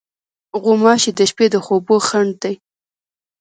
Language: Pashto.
غوماشې د شپې د خوبو خنډ دي.